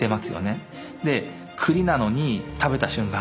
でクリなのに食べた瞬間